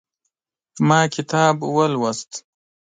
ما کتاب ولوست